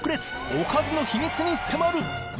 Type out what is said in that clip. おかずの秘密に迫る！